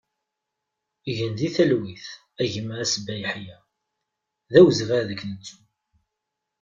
Gen di talwit a gma Asbaï Yaḥia, d awezɣi ad k-nettu!